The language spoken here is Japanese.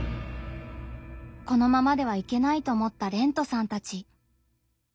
このままではいけないと思ったれんとさんたち。